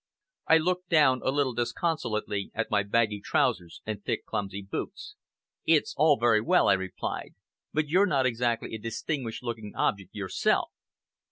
I looked down a little disconsolately at my baggy trousers and thick clumsy boots. "It's all very well," I replied; "but you're not exactly a distinguished looking object yourself!"